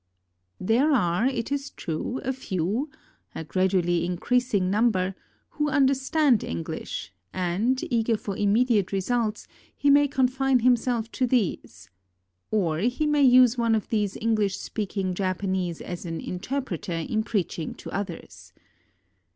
There are, it is true, a few — a gradually increasing number — who understand English, and, eager for im mediate results, he may confine himself to these; or he may use one of these EngHsh speaking Japanese as an "interpreter" in preaching to others.